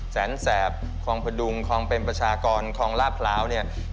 แสนแสบโครงพดุงโครงเป็นประชากรโครงลาพราว